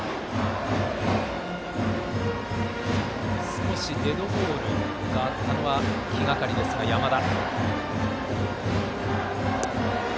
少しデッドボールが気がかりですが、山田。